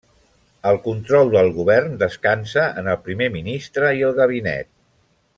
El control del govern descansa en el Primer Ministre i el Gabinet.